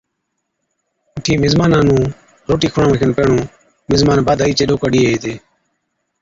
اُٺي مزمانان نُون روٽِي کُڙاوڻي کن پيھِڻِيُون، مزمان باڌائِي چي ڏوڪڙ ڏيئي ھِتي،